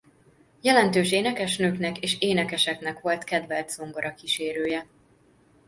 Jelentős énekesnőknek és énekeseknek volt kedvelt zongorakísérője.